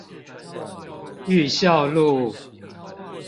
裕孝路